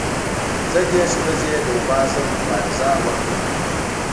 پنځه دېرش ورځې یې د وبا ضد مبارزه وکړه.